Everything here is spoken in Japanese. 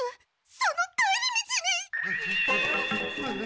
その帰り道に！